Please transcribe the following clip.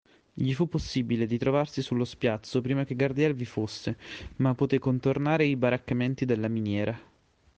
Gli fu possibile di trovarsi sullo spiazzo prima che Gardiel vi fosse, ma potè contornare i baraccamenti della miniera.